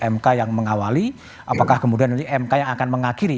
mk yang mengawali apakah kemudian nanti mk yang akan mengakhiri